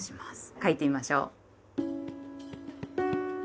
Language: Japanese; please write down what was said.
書いてみましょう。